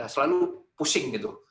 selalu pusing gitu